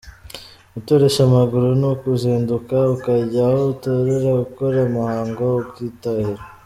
Gutoresha amaguru ni ukuzinduka ukajya aho utorera ugakora umuhango ukitahira.